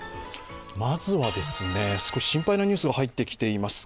まずは、少し心配なニュースが入ってきています。